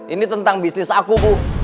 ini tentang bisnis aku bu